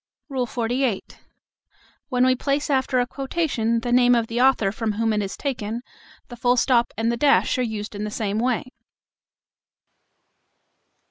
XLVIII. When we place after a quotation the name of the author from whom it is taken, the full stop and the dash are used in the same way.